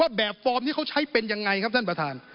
แบบฟอร์มนี้เขาใช้เป็นยังไงครับท่านประธาน